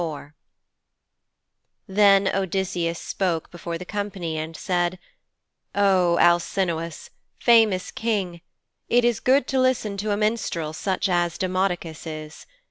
IV Then Odysseus spoke before the company and said, 'O Alcinous, famous King, it is good to listen to a minstrel such as Demodocus is.